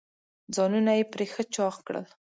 ځانونه یې پرې ښه چاغ کړل.